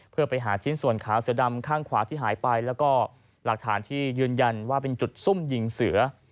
เพื่อไปหาชิ้นส่วนขาเสือดำข้างขวาที่หายไปแล้วก็หลักฐานที่ยืนยันว่าเป็นจุดซุ่มยิงเสือ